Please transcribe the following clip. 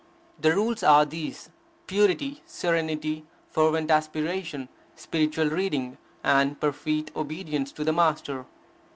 The Rules are these: purity, serenity fervent aspiration, spiritual reading, and per feet obedience to the Master.